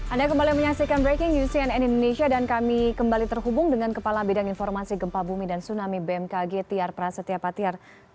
anda kembali menyaksikan breaking news cnn indonesia dan kami kembali terhubung dengan kepala bidang informasi gempa bumi dan tsunami bmkg tiar prasetya patiar